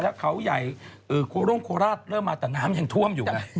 แล้วเจ้าใหญ่ที่โคราศตะน้ำยังท่วมอยู่